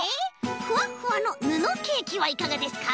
ふわっふわのぬのケーキはいかがですか？